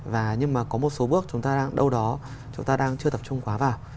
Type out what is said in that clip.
và nhưng mà có một số bước chúng ta đang đâu đó chúng ta đang chưa tập trung quá vào